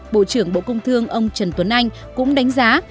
bộ trưởng bộ công thương ông trần tuấn anh cũng đánh giá